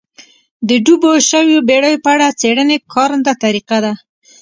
د ډوبو شویو بېړیو په اړه څېړنې کارنده طریقه ده